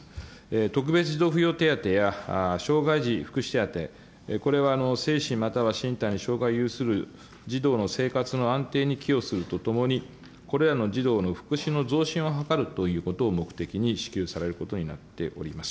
特別児童扶養手当や障害児福祉手当、これは精神または心身に障害を有する児童の生活の安定に寄与するとともに、これらの児童の福祉の増進を図ることを目的に支給されることになっております。